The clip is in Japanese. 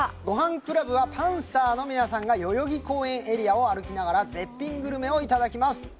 ごはんクラブはパンサーの皆さんが代々木公園エリアを歩きながら絶品グルメをいただきます